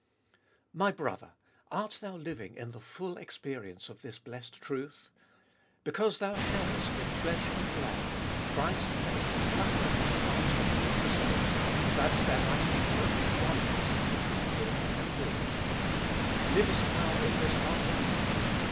My brother ! art thou living in the full experience of this blessed truth ? Because thou sharest in flesh and blood, Christ came and likewise partook of the same, that there might be perfect oneness between Him and thee. Livest thou in this oneness?